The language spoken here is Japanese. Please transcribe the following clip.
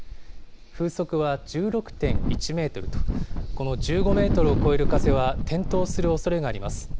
風速は１６．１メートルと、この１５メートルを超える風は転倒するおそれがあります。